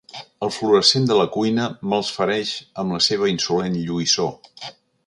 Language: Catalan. El fluorescent de la cuina me'ls fereix amb la seva insolent lluïssor.